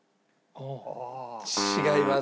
違います。